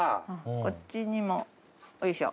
こっちにもよいしょ。